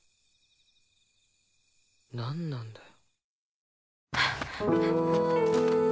何なんだよ。